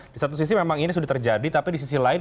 di satu sisi memang ini sudah terjadi tapi di sisi lain